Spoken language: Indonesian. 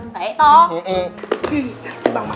toh dulu kita cepek